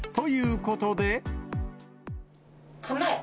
構え。